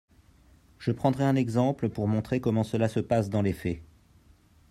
Je prendrai un exemple pour montrer comment cela se passe dans les faits.